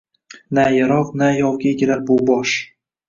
Na yarogʼ, na yovga egilar bu bosh